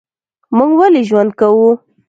موږ ولي ژوند کوو؟